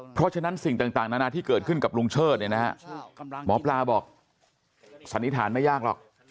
เพราะฉะนั้นสิ่งต่างนานาที่เกิดขึ้นกับลุงเชิดเนี่ยนะฮะหมอปลาบอกสันนิษฐานไม่ยากหรอก